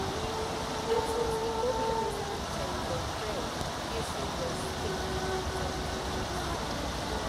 Nettles immobilize and obtain their prey using their stinging tentacles.